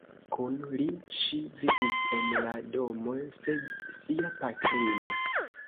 Kun li ŝi vivis en la domo se sia patrino.